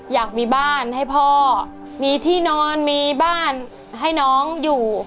อยากมีบ้านให้พ่อมีที่นอนมีบ้านให้น้องอยู่